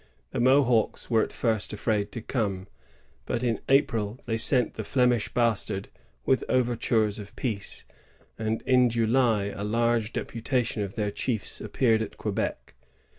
The Mohawks were at first afraid to oome; bat in April they sent the Flemish Bastard with oyertnres of peace, and in July a large deputa tion of their chiefs appeared at Quebec.